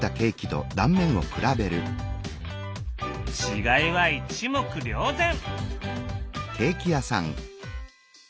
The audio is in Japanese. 違いは一目瞭然！